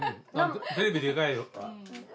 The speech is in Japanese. テレビでかいのさ。